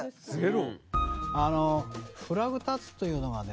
あの「フラグ立つ」というのがね